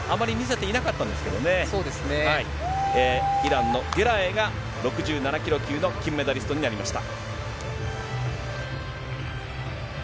イランのゲラエイが６７キロ級の金メダリストになりました。